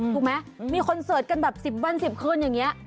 ถูกไหมมีคอนเสิร์ตกันแบบ๑๐วัน๑๐คืนอย่างนี้